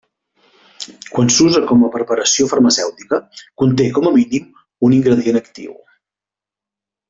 Quan s'usa com a preparació farmacèutica, conté com a mínim un ingredient actiu.